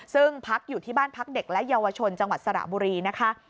ซึ่งพักอยู่ที่บ้านพักเด็กและเยาวชนจังหวัดสระบุรีนะคะ